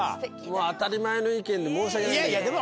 当たり前の意見で申し訳ないんだけど。